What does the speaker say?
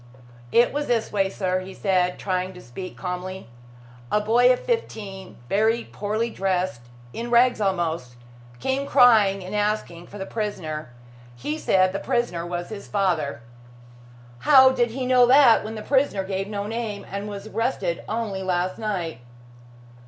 "It was this way, sir," he said, trying to speak calmly. "A boy of fifteen, very poorly dressed in rags almost came crying and asking for the prisoner. He said the prisoner was his father." "How did he know that, when the prisoner gave no name and was arrested only last night?"